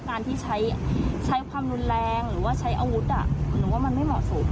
การที่ใช้ความรุนแรงไว้เอาอาวุธอ่ะหนูว่ามันไม่เหมาะสุข